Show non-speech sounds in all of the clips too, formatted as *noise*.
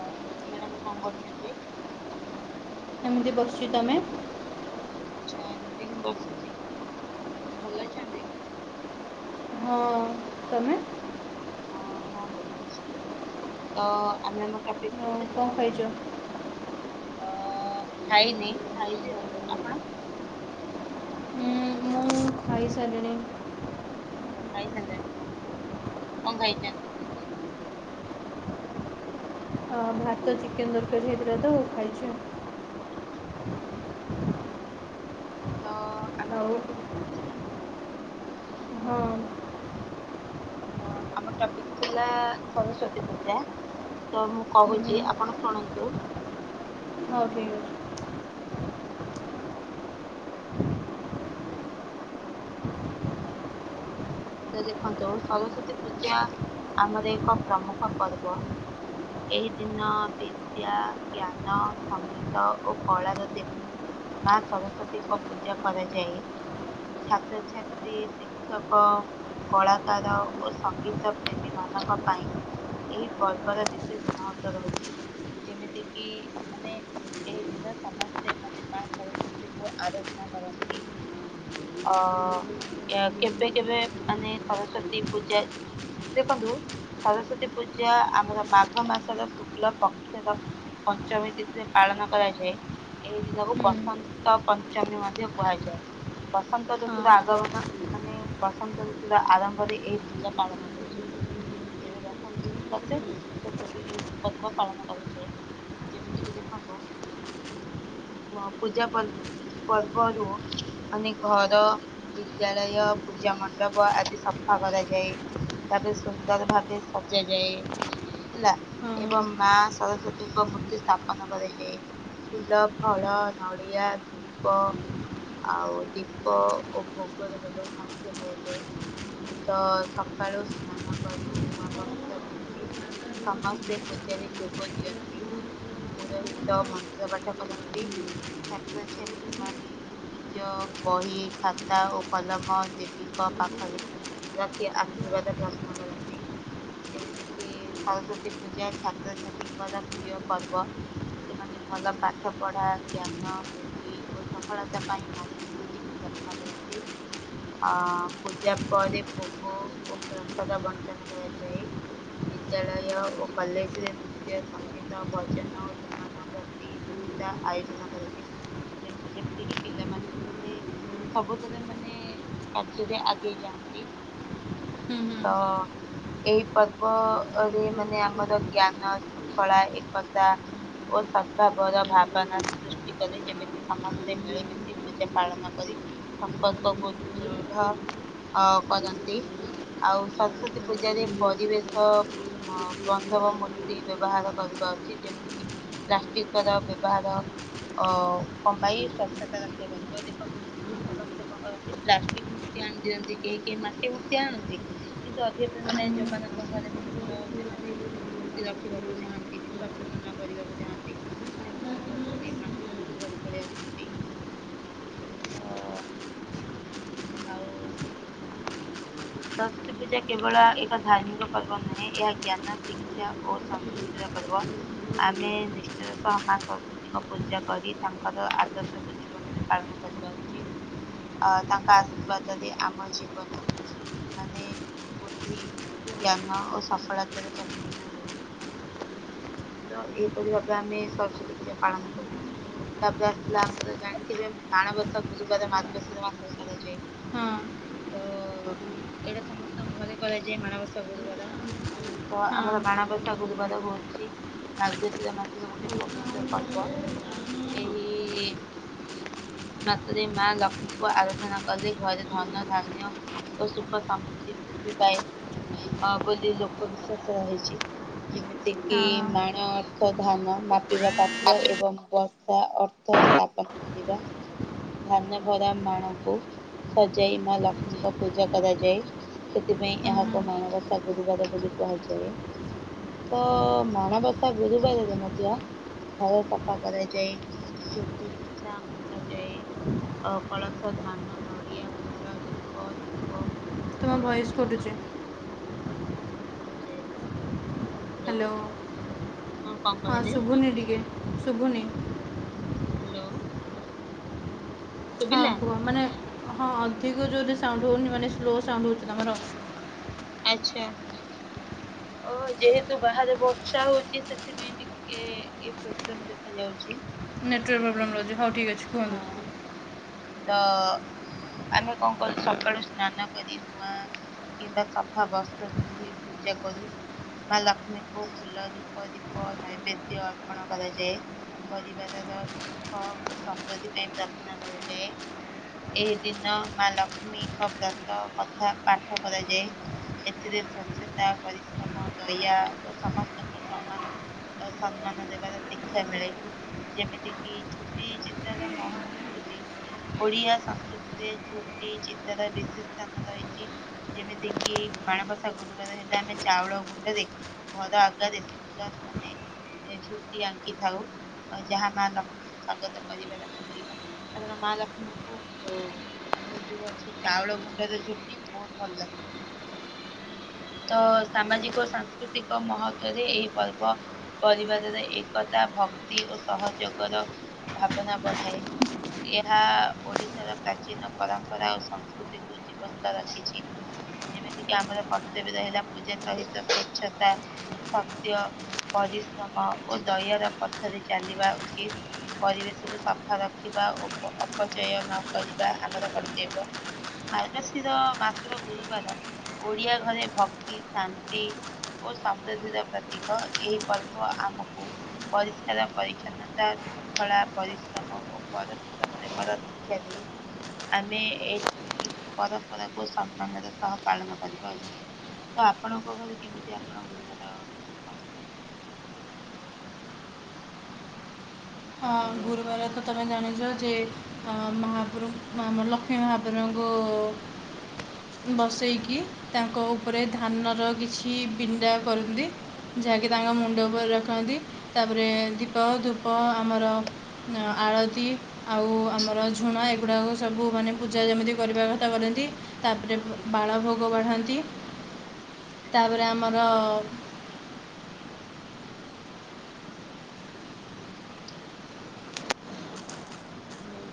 ହଁ ମ୍ୟାଡାମ କଣ କରୁଛନ୍ତି? ଏମିତି ବସିଛି ତମେ? ଆଚ୍ଛା ଏମିତି ହିଁ ବସିଛି ଭଲ ଅଛନ୍ତି। ହଁ ତମେ? ଅ ହଁ ଭଲ ଅଛି ତ ଆମେ ଆମ ଟପିକ ହଁ ଉପରକୁ ଯିବା। *unintelligible* ଅ ଖାଇନି ଖାଇବି ଆଉ ଆପଣ ହୁଁ ମୁଁ ଖାଇ ସାରିଲିଣି। ଓ ଖାଇ ସାରିଲେଣି କଣ ଖାଇଛନ୍ତି? ଅ ଭାତ ଚିକେନ ତରକାରୀ ହେଇଥିଲା ତ ଖାଇଛି। ଆଚ୍ଛା। ତ ଆମେ ଆମ ଆଉ ଟପିକ ଉପରକୁ ଯିବା। ହଁ। ତ ଆମ ଟପିକ ଥିଲା ସରସ୍ଵତୀ ପୂଜା। ତ ମୁଁ କହୁଛି ଆପଣ ଶୁଣନ୍ତୁ *unintelligible* ତ ଦେଖନ୍ତୁ ସରସ୍ଵତୀ ପୂଜା ଆମର ଏକ ପ୍ରମୁଖ ପର୍ବ। ଏହି ଦିନ ବିଦ୍ୟାଜ୍ଞାନ ସଙ୍ଗୀତ ଓ କଳାର ଦେବୀ ମା ସରସ୍ଵତୀଙ୍କ ପୂଜା କରାଯାଏ। ଛାତ୍ରଛାତ୍ରୀ ଶିକ୍ଷକ କଳାକାର ଓ ସଙ୍ଗୀତ ପ୍ରେମୀ ମାନଙ୍କ ପାଇଁ ଏହି ପର୍ବର ବିଶେଷ ମହତ୍ଵ ରହିଛି। ଯେମିତି କିି ମାନେ ଏଇଦିନ ସମସ୍ତେ ମାନେ ମା ସରସ୍ଵତୀ କୁ ଆରାଧନା କରନ୍ତି ଅ କେବେ କେବେ ମାନେ ସରସ୍ଵତୀ ପୂଜା ଦେଖନ୍ତୁ ସରସ୍ଵତୀ ପୂଜା ଆମର ମାଘ ମାସର ଶୁକ୍ଲ ପକ୍ଷର ପଞ୍ଚମୀ ତିଥିରେ ପାଳନ କରାଯାଏ। ଏହି ଦିନକୁ ଅଛି ବସନ୍ତ ପଞ୍ଚମୀ ମଧ୍ୟ କୁହାଯାଏ। ବସନ୍ତ ହଁ ଋତୁ ର ଆଗମନ ମାନେ ବସନ୍ତ ଋତୁ ଆରମ୍ଭରେ ଏହି ପୂଜା ପାଳନ କରାଯାଏ। ଯେବେ ବସନ୍ତ ଋତୁ ଆସେ ସେବେ ଏ ପର୍ବ ପାଳନ କରାଯାଏ ଯେମିତି କି ଦେଖନ୍ତୁ ପୂଜାପଲ ପର୍ବରୁ ମାନେ ଘର ବିଦ୍ୟାଳୟ ପୂଜାମଣ୍ଡପ ଆଦି ସଫା କରାଯାଏ ତାପରେ ସୁନ୍ଦର ଭାବେ ସଜାଯାଏ। ହେଲା ହଁ ହଁ ଏବଂ ମା ସରସ୍ଵତୀଙ୍କ ମୂର୍ତ୍ତି ସ୍ଥାପନ କରାଯାଏ। ଫୁଲ ଫଳ ନଡ଼ିଆ ଧୂପ ଆଉ ଦୀପ ଓ ଭୋଗର ବ୍ୟବସ୍ଥା ମଧ୍ୟ କରାଯାଏ। ତ ସକାଳୁ ସ୍ନାନ କରି ନୂଆ ବସ୍ତ୍ର ପିନ୍ଧି ସମସ୍ତେ ପୂଜାରେ ଯୋଗ ଦିଅନ୍ତି। ପୁରୋହିତ ମନ୍ତ୍ର ପାଠ କରନ୍ତି ଛାତ୍ରଛାତ୍ରୀ ମାନେ ନିଜ ବହି ଖାତା ଓ କଲମ ଦେବୀଙ୍କ ପାଖରେ ପ୍ରତି ଆଶୀର୍ବାଦ ପ୍ରାର୍ଥନା କରନ୍ତି। ଯେମିତି କିି ସରସ୍ଵତୀ ପୂଜା ଛାତ୍ରଛାତ୍ରୀଙ୍କର ପ୍ରିୟ ପର୍ବ। ସେମାନେ ଭଲ ପାଠ ପଢା ଜ୍ଞାନ ବୁଦ୍ଧି ଓ ସଫଳତା ପାଇଁ ମାସ ଙ୍କୁ ପ୍ରାର୍ଥନା କରନ୍ତି ଆ ପୂଜା ପରେ ଭୋଗ ଓ ପ୍ରସାଦ ବଣ୍ଟନ କରାଯାଏ। ବିଦ୍ୟାଳୟ ଓ କଲେଜରେ ଉଁ ନୃତ୍ୟ ସଙ୍ଗୀତ ଭଜନ ଓ ଜଣାଣ ପ୍ରତିଯୋଗିତା ଆୟୋଜନ କରାଯାଏ। ଯେମି ଯେମିତିକିି ପିଲାମାନେ ମାନେ ସବୁଥେରେ ମାନେ ଯଦି ଆଗେଇ ଯାଆନ୍ତି ତ ଏହି ପର୍ବ ଅ ରେ ମାନେ ଆମର ଜ୍ଞାନ ଶୃଙ୍ଖଳା ଏକତା ଓ ସଦ୍ଭାବର ଭାବାନା ସୃଷ୍ଟି କରେ ଯେମିତି ସମସ୍ତେ ମିଳିମିଶି ଏହି ପୂଜା ପାଳନ କରି ସମ୍ପର୍କକୁ ଦୃଢ ଅ କରନ୍ତି। ଆଉ ସରସ୍ଵତୀ ପୂଜାରେ ପରିବେଶ ମ ବନ୍ଧବ ମୂର୍ତ୍ତି ବ୍ୟବହାର କରିବା ଉଚିତ୍ ଯେମିତିକି ଇ ପ୍ଲାଷ୍ଟିକର ବେବହାର ଅ କମାଇ ସ୍ଵଚ୍ଛତା ରକ୍ଷା କରିବା ଦେଖନ୍ତୁ ସମସ୍ତେ କଁ କରନ୍ତି ପ୍ଲାଷ୍ଟିକ୍ ମୂର୍ତ୍ତି ଆଣି ଦଅନ୍ତି କେହି କେହି ମାଟି ମୂର୍ତ୍ତି ଆଣନ୍ତି। କିନ୍ତୁ ଅଧ୍ୟାପକମାନେ ଯୋଉମାନଙ୍କ ଘରେ ମାନେ ଧର ସେମାନେ ମୂର୍ତ୍ତି ରଖିବାକୁ ଚାହାନ୍ତି ବିସର୍ଜନ ନ କରିବାକୁ ଚାହାନ୍ତି ସେମାନେ କଁ କରନ୍ତି ମାଟି ମୂର୍ତ୍ତି ଧରି ପଳେଇ ଆସନ୍ତି ତ ଆଉ ସରସ୍ଵତୀ ପୂଜା କେବଳ ଏକ ଧାର୍ମିକ ପର୍ବ ନୁହେଁ ଏହା ଜ୍ଞାନ ଶିକ୍ଷା ଓ ସଂସ୍କୃ ତିର ପର୍ବ। ଆମେ ନିଷ୍ଟାର ସହ ମା ସରସ୍ଵତୀଙ୍କ ପୂଜା କରି ତାଙ୍କର ଆଦର୍ଶକୁ ଜି ଜୀବନେରେ ପାଳନ କରିବା ଉଚିତ୍ ଆ ତାଙ୍କ ଆଶୀର୍ବାଦରେ ଆମ ଜୀବନ ମାନେ ବୁଦ୍ଧି ଜ୍ଞାନ ଓ ସଫଳତାରେ ପରିପୂର୍ଣ୍ଣ ହେଉ। ତ ଏହିପରି ଭାବେ ଆମେ ସରସ୍ଵତୀ ପୂଜା ପାଳନ କରୁ। ତାପରେ ଆସିଲା ଆମର ଜାଣିଥିବେ ମାଣବସା ଗୁଲୁବାରେ ମାର୍ଗଶୀର ମାସରେ କରାଯାଏ। ହଁ ହଁ ହଁ ତ ଏଇଟା ସମସ୍ତଙ୍କ ଘରେ କରାଯାଏ ମାଣବସା ଗୁରୁବାର। ତ ଆମର ମାଣବସା ଗୁରୁବାର ହଉଚି ମାର୍ଗଶିର ମାସ ତ ଗୋଟେ ପବିତ୍ର ପର୍ବ ଏଇ ମାସେରେ ମା ଲକ୍ଷ୍ମୀଙ୍କୁ ଆରଧନା କଲେ ଘରେ ଧନ ଧାନ୍ୟ ଓ ସୁଖ ସମୃଦ୍ଦି ବୃଦ୍ଧି ପାଏ। ଅ ବୋଲି ଲୋକ ବିଶ୍ୱାସ ହେଇଛି ଯେମିତିକି ମା ନା ଅର୍ଥ ଧାନ ମାପିବା ପାତ୍ର ଏବଂ ବସ୍ ସା ଅର୍ଥ ସ୍ତାପନ କରିବା ଧାନ ଭରା ମାଣକୁ ସଜାଇ ମା ଲକ୍ଷ୍ମୀଙ୍କ ପୂଜା କରାଯାଏ। ସେଥିପାଇଁ ଏହାକୁ ମାଣବସା ଗୁରୁବାର ବୋଲି କୁହାଯାଏ। ତ ମାଣବସା ଗୁରୁବାରେରେ ମଧ୍ୟ ଘର ସଫା କରାଯାଏ ଛୋଟି ଚିତା ଅଙ୍କା ଯାଏ। ଅ କଳସ ଧାନ ନଡିଆ ଫୁଲ ଧୂପ ଦୀପ ତୁମ ଫଳ ଭଏସ୍ କଟୁଚି। *unintelligible* ଯାଏ ହାଲୋ କଣ ହଁ କହିଲେ? ଶୁଭୁନି ଟିକେ ଶୁଭୁନି। ହ୍ୟାଲୋ। ହଁ ଶୁଭିଲା କୁହ ମାନେ ହଁ ଅଧିକ ଜୋରରେ ସାଉଣ୍ଟୁ ହଉନି ମାନେ ସ୍ଲୋ ସାଉଣ୍ଡୁ ହଉଛି ତମର। ଆଛା ଓ ଯେହେତୁ ବାହାରେ ବର୍ଛା ହଉଛି ସେଥିପେଇଁ ଟିକେ ଏ ପ୍ରୋବ୍ଲେମ ଦେଖାଯାଉଛି। ନେଟୱର୍କ ପ୍ରୋବ୍ଲେମ୍ ରହୁଚି ହଉ ଠିକ୍ ଅଛି କୁହନ୍ତୁ। ହଁ ତ ଆମେ କଁ କରୁ ସକାଳୁ ସ୍ନାନ କରି ନୂଆ କିମ୍ବା ସଫା ବସ୍ତ୍ର ପିନ୍ଧି ପୂଜା କରୁ। ମା ଲକ୍ଷ୍ମୀଙ୍କୁ ଫୁଲ ଧୂପ ଦୀପ ନୈବେଦ୍ୟ ଅର୍ପଣ କରାଯାଏ। ପରିବାରର ସୁଖ ଓ ସମୃଦ୍ଧି ପାଇଁ ପ୍ରାର୍ଥନା କରାଯାଏ। ଏହି ଦିନ ମା ଲକ୍ଷ୍ମୀଙ୍କ ବ୍ରତ କଥା ପାଠ କରାଯାଏ। ଏଥିରେ ସ୍ୱଛତା ପରିଶ୍ରମ ଦୟା ଓ ସମସ୍ତଙ୍କୁ ସମାନ ଅ ସମ୍ମାନ ଦେବାର ଶିକ୍ଷା ମିଳେ ଯେମିତି କିି ଝୋଟି ଚି ତାର ମହତ୍ଵ ହଉଛି ଓଡିଆ ସଂସ୍କୃତିରେ ଝୋଟି ଚିତାର ବିସେଷ ସ୍ଥାନ ରହିଛି। ଯେମିତି କିି ମାଣବସା ଗୁରୁବାର ହେଲେ ଆମେ ଚାଉଳ ଗୁଣ୍ଡରେ ଘର ଆଗରେ ସୁନ୍ଦର ମାନେ ଝୋଟି ଆଙ୍କିଥାଉ ଯାହା ମା ଲକ୍ଷ୍ମୀଙ୍କୁ ସ୍ଵାଗତ କରିବାର ପ୍ରତିକ। ତାପରେ ମା ଲକ୍ଷ୍ମୀଙ୍କୁ ଆମର ଯୋଉ ଅଛି ଚାଉଳ ଗୁଣ୍ଡ ର ଝୁଟି ବହୁତ ଭଲ ଲାଗେ। ତ ସାମାଜିକ ଓ ସାଂସ୍କୃତିକ ମହତ୍ଵରେ ଏହି ପର୍ବ ପରିବାରରେ ଏକତା ଭକ୍ତି ଓ ସହଯୋଗର ଭାବନା ବଢାଏ। ଏହା ଓଡିଶାର ପ୍ରାଚୀନ ପରମ୍ପରା ଓ ସଂସ୍କୃତି ଜୀବନ୍ତ ରଖିଛି ଯେମିତି କି ଆମର କ ଯେବେଦ ହେଲା ପୂଜା ସହିତ ସ୍ୱଚ୍ଛତା। ସତ୍ୟ ପରିଶ୍ରମ ଓ ଦୟାର ପଥରେ ଚାଲିବା ଉଚିତ। ପରିବେଶକୁ ସଫା ରଖିବା ଓ ଅପ ଅପଚୟ ନ କରିବା ଆମର କର୍ତ୍ତବ୍ୟ। ମାର୍ଗଶିର ମାସର ଗୁରୁବାର ଓଡିଆ ଘରେ ଭକ୍ତି ଶାନ୍ତି ଓ ସମୃଦ୍ଧିର ପ୍ରତୀକ ଏହି ପର୍ବ ଆମକୁ ପରିଷ୍କାର ପରିଚ୍ଛନ୍ନତା ଶୃଙ୍ଖଳା ପରିଶ୍ରମ ଓ ପରସ୍ପର ପ୍ରେମର ଶିକ୍ଷା ଦିଏ। ଆମେ ଏ ପରମ୍ପରାକୁୁ ସମ୍ମାନର ସହ ପାଳନ କରିବା ଉଚିତ୍। ତି ତ ଆପଣଙ୍କ ଘରେ କେମିତି ଆପଣ ଗୁରୁବାର ମାନେ କରନ୍ତି? ହ୍ୟାଲୋ। ଗୁରୁବାର ତ ତମେ ଜାଣିଛ ଯେ ମହାପ୍ର ଆମ ଲକ୍ଷ୍ମୀ ମହାପ୍ରଭୁଙ୍କୁ ବସେଇକି ତାଙ୍କ ଉପରେ ଧାନର କିଛି ବିଣ୍ଡା କରନ୍ତି ଯାହାକି ତାଙ୍କ ମୁଣ୍ଡ ଉପରେ ରଖ ଖନ୍ତି ତାପରେ ଦୀପ ଧୂପ ଆମର ଅଁ ଆଳତି ଆଉ ଆମର ଝୁଣା ଏଗୁଡ଼ାକ ସବୁ ମାନେ ପୂଜା ଯେମିତି କରିବା କଥା କରନ୍ତି। ତାପରେ ବାଳ ଭୋଗ ବାଢ଼ନ୍ତି ଆଚ୍ଛା ତାପରେ ଆମର ହ୍ୟାଲୋ।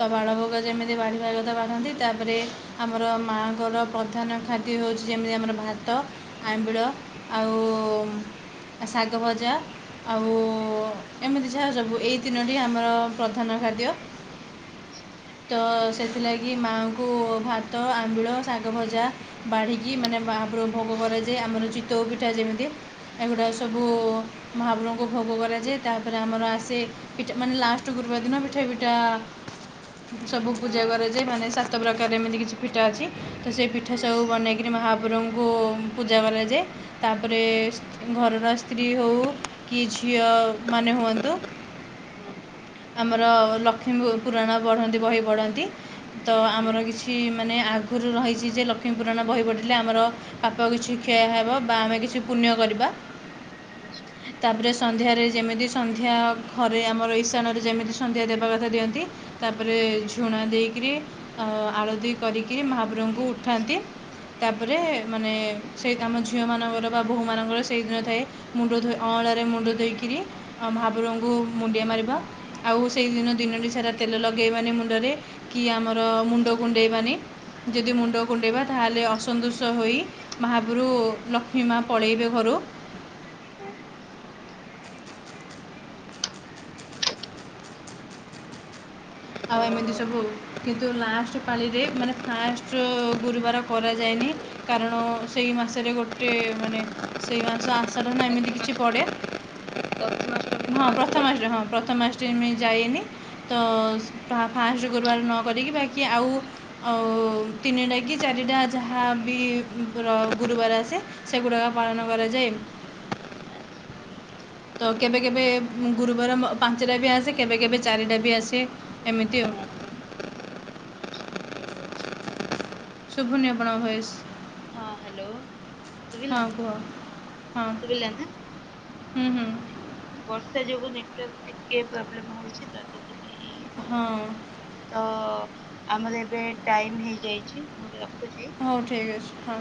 ତା ବାଳ ହ୍ୟାଲୋ ଭୋଗ ଯେମିତି ବାଢିବା *unintelligible* ତ ବାଢ଼ନ୍ତି ତାପରେ ଆମର ମାଆଙ୍କର ପ୍ରଧାନ ଖାଦ୍ୟ ହେଉଛି ଯେମିତି ଆମର ଭାତ। ଆମ୍ବିଳ ଆଉ ଶାଗ ଭଜା ଆଉ ଏମିତି ଯାହା ସବୁ ଏଇ ତିନୋଟି ଆମର ପ୍ରଧାନ ଖାଦ୍ୟ। ଆଚ୍ଛା। ତ ସେଥିଲାଗି ମାଆଙ୍କୁ ଭାତ ଆମ୍ବିଳ ଶାଗ ଭଜା ବାଢ଼ିକି ହଁ। ମାନେ ମହାପୁରୁଙ୍କୁ ଭୋଗ କରାଯାଏ। ଆମର ଚିତଉ ପିଠା ଯେମିତି। ଏଗୁଡ଼ା ସବୁ ମହାପ୍ରଭୁଙ୍କୁ ଭୋଗ କରାଯାଏ ତାପରେ ଆମର ଆସେ ପିଠା ମାନେ ଲାଷ୍ଟ ଗୁରୁବାରଦିନ ପିଠା ପିଠା ସବୁ ପୂଜା କରାଯାଏ ମାନେ ସାତ ପ୍ରକାର ଏମିତି କିଛି ପିଠା ଅଛି ତ ସେଇ ହଁ ପିଠା ହଁ ସବୁ ବନେଇକି ରେ ମହାପୁରୁଙ୍କୁ ପୂଜା କରାଯାଏ। ତାପରେ ଘରର ସ୍ତ୍ରୀ ହଉ କି ଝିଅ ମାନେ ହୁଅନ୍ତୁ ହଁ ଆମର ଲକ୍ଷ୍ମୀ ପୁରାଣ ପଢନ୍ତି ବହି ପଢନ୍ତି ତ ଆମର କିଛି ଏଠି ମାନେ ଆଗରୁ ରହିଛି ଯେ ଲକ୍ଷ୍ମୀପୁରାଣ ବହି ପଢ଼ିଲେ ଆମର ପାପ କିଛି କ୍ଷୟ ହେବ ବା ଆମେ କିଛି ପୁଣ୍ୟ କରିବା। ଆଚ୍ଛା। ତାପରେ ସନ୍ଧ୍ୟାରେ ଯେମିତି ସନ୍ଧ୍ୟା ଘରେ ଆମର ଇଶାନରେ ଯେମିତି ସନ୍ଧ୍ୟା ଦେବା କଥା ଦିଅନ୍ତି। ତାପରେ ଝୁଣା ଦେଇକରି ଆଳତି କରିକିରି ମହାପୁରୁଙ୍କୁ ଉଠାନ୍ତି। ତାପରେ ହଁ ମାନେ ସେଇ ଆମ ଝିଅ ମାନଙ୍କର ବା ବୋହୂ ମାନଙ୍କର ସେଇଦିନ ଥାଏ। ମୁଣ୍ଡ ଧୋଇ ଅଁଳାରେ ମୁଣ୍ଡ ଧୋଇକିରି ଆ ମହା ପୁରଙ୍କୁ ମୁଣ୍ଡିଆ ମାରିବା। ଆଉ ସେଇଦିନ ଦିନଟି ସାରା ତେଲ ଲଗେଇବାନି ମୁଣ୍ଡରେ କି ଆମର ମୁଣ୍ଡ କୁଣ୍ଡେଇବାନି। ଯଦି ଆଚ୍ଛା ମୁଣ୍ଡ କୁଣ୍ଡେଇବା ତାହେଲେ ଅସନ୍ତୁଷ ହୋଇ ମାହାପୁରୁ ଲକ୍ଷ୍ମୀ ମା ପଳେଇବେ ଘରୁ। ହଁ। ଆଉ ଏମିତି ସବୁ କିନ୍ତୁ ଲାଷ୍ଟ ପାଳିରେ ମାନେ ଫାଷ୍ଟ ଗୁରୁବାର କରାଯାଏନି। କାରଣ ସେଇ ମାସରେ ଗୋଟେ ମାନେ ସେଇ ମାସ ଆଶାଢ଼ ନା ଏମିତି କିଛି ପଡ଼େ। ପ୍ରଥମା ଅଷ୍ଟ ହଁ ପ୍ରଥମା ଅଷ୍ଟମୀ ହଁ ପ୍ରଥମା ଅଷ୍ଟମୀ ପାଇଁ ଯାଇନି। ତ ଫା ଫାଷ୍ଟ ଗୁରୁବାର ନ କରିକି ବାକି ଆଉ ଆଉ ତିନିଟା କି ଚାରିଟା ଯାହା ବି ଗୁର ଗୁରୁବାର ଆସେ। ସେଗୁଡ଼ାକ ପାଳନ କରାଯାଏ। ଆଚ୍ଛା ହଁ ତ କେବେ କେବେ ଉଁ ଗୁରୁବାର ମ ପାଞ୍ଚଟା ବି ଆସେ କେବେ କେବେ ଚାରିଟା ବି ଆସେ ଏମିତି ଆଉ। ଆଚ୍ଛା ଠିକ୍ ଅଛି ଶୁଭୁନି ଆପଣଙ୍କ ଭଏସ୍। ହଁ ହାଲୋ। ହଁ କୁହ ହଁ ଶୁଭିଲା ନା? ହୁଁ ହୁଁ। ବର୍ଷା ଯୋଗୁ ନେଟୱାର୍କ ଟିକେ ପ୍ରୋବ୍ଲେମ ହଉଛି ତା ସେଥିପାଇଁ ଶୁଭୁ ହଁ ନାହିଁ। ତ ଆମର ଏବେ ଟାଇମ ହେଇଯାଇଛି ମୁଁ ଏବେ ରଖୁଛି। ହଉ ଠିକ୍ ଅଛି ହଁ।